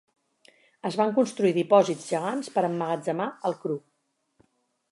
Es van construir dipòsits gegants per emmagatzemar el cru.